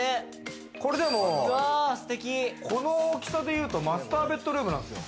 これ、でも、この大きさでいうとマスターベッドルームなんですよ。